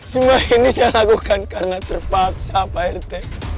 semua ini saya lakukan karena terpaksa pak rt